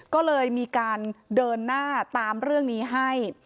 ก็เลยมีการเดินหน้าตามเรื่องนี้ให้